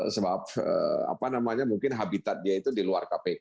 sebab mungkin habitatnya itu di luar kpk